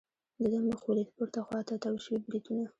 د ده مخ ولید، پورته خوا ته تاو شوي بریتونه.